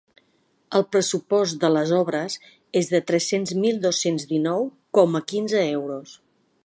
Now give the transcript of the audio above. El pressupost de les obres és de tres-cents mil dos-cents dinou coma quinze euros.